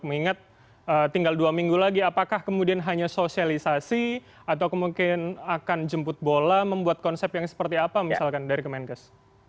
mengingat tinggal dua minggu lagi apakah kemudian hanya sosialisasi atau kemungkinan akan jemput bola membuat konsep yang seperti apa misalkan dari kemenkes